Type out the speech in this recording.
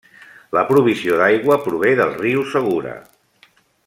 La provisió d'aigua prové del riu Segura.